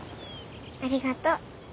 ありがとう。